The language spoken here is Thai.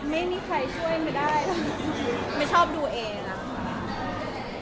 ไม่มีใครช่วยไม่ได้ไม่ชอบดูเองอะค่ะ